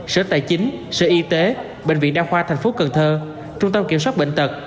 sở tài chính sở y tế bệnh viện đa khoa tp cn trung tâm kiểm soát bệnh tật